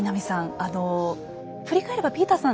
あの振り返ればピーターさん